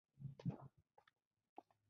د کانګو پلازمېنې ته رسېږي.